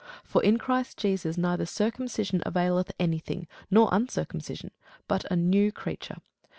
For in Christ Jesus neither circumcision availeth any thing, nor uncircumcision, but a new creature.